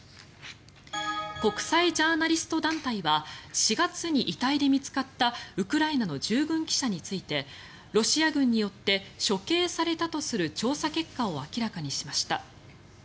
国際ジャーナリスト団体は４月に遺体で見つかったウクライナの従軍記者についてロシア軍によって処刑されたとする調査結果を明らかにしました。